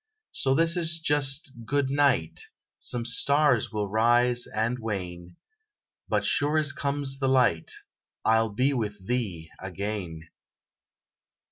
So this is just "good night"; Some stars will rise and wane, But sure as comes the light, I'll be with thee again!